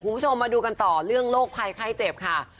คุณผู้ชมมาดูกันต่อเรื่องโรคภัยไข้เจ็บค่ะ